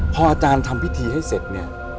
พออาจารย์ทำพิธีให้เสร็จเนี่ย